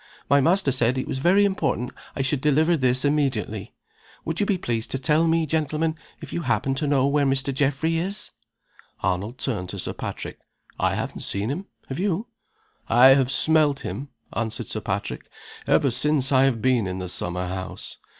"My master said it was very important I should deliver this immediately. Would you be pleased to tell me, gentlemen, if you happen to know where Mr. Geoffrey is?" Arnold turned to Sir Patrick. "I haven't seen him. Have you?" "I have smelt him," answered Sir Patrick, "ever since I have been in the summer house.